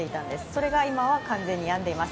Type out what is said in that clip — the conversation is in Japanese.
それが今は完全にやんでいます。